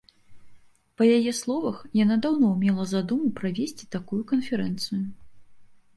Па яе словах, яна даўно мела задуму правесці такую канферэнцыю.